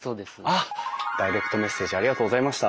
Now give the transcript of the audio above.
あっダイレクトメッセージありがとうございました。